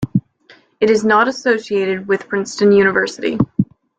It is not associated with Princeton University.